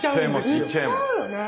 行っちゃうよね。